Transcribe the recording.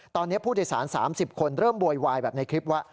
ตอนนี้ผู้โดยสาร๓๐คนเริ่มโวยวายแบบในคลิปว่า